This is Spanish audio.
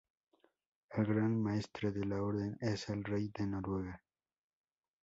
El Gran Maestre de la Orden es el rey de Noruega.